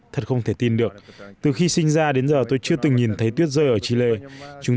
thật không thể tin được từ khi sinh ra đến giờ tôi chưa từng nhìn thấy tuyết rơi ở chile chúng